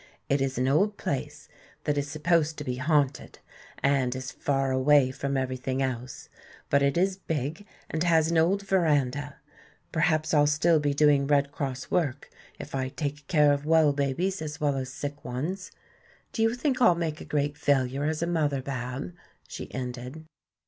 It is an old place that is supposed to be haunted and is far away from everything else. But it is big and has an old veranda. Perhaps I'll still be doing Red Cross work if I take care of well babies as well as sick ones. Do you think I'll make a great failure as a mother, Bab?" she ended.